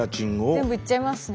全部いっちゃいますね。